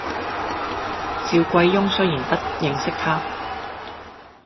趙貴翁雖然不認識他，